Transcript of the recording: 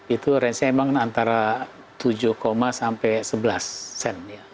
itu rancenya memang antara tujuh sampai sebelas cent ya